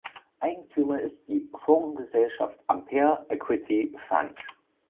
Eigentümer ist die Fondsgesellschaft Ampere Equity Fund.